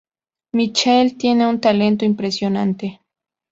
Michael tiene un talento impresionante.